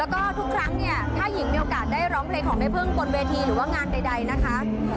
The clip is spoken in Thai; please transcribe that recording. แล้วก็ทุกครั้งเนี่ยถ้าหญิงมีโอกาสได้ร้องเพลงของแม่พึ่งบนเวทีหรือว่างานใดนะคะ